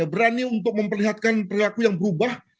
berani untuk memperlihatkan perilaku yang berubah